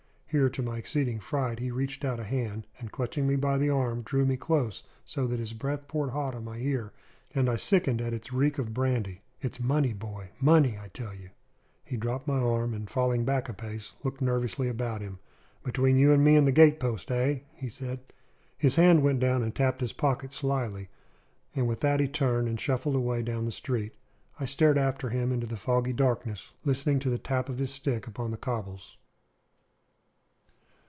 Here, to my exceeding fright, he reached out a hand, and, clutching me by the arm, drew me close, so that his breath poured hot on my ear, and I sickened at its reek of brandy. "It's money, boy money, I tell you!" He dropped my arm, and, falling back a pace, looked nervously about him. "Between you and me and the gatepost, eh?" he asked. His hand went down and tapped his pocket slily, and with that he turned and shuffled away down the street. I stared after him into the foggy darkness, listening to the tap of his stick upon the cobbles.